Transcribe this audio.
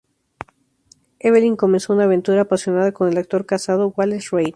Evelyn comenzó una aventura apasionada con el actor casado Wallace Reid.